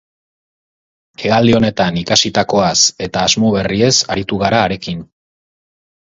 Hegaldi honetan ikasitakoaz eta asmo berriez aritu gara harekin.